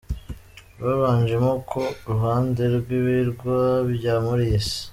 babanjemo ku ruhande rw'ibirwa bya Maurice.